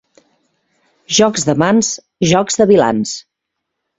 Jocs de mans, jocs de vilans.